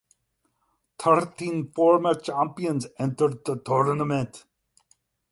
Thirteen former champions entered the tournament.